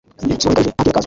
siporo zikabije ntkeza kazo